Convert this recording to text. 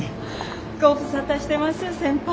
ご無沙汰してます先輩。